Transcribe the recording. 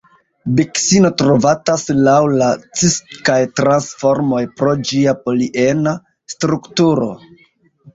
Biksino trovatas laŭ la cis kaj trans formoj pro ĝia poliena strukturo.